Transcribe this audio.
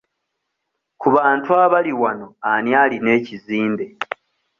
Ku bantu abali wano ani alina ekizimbe?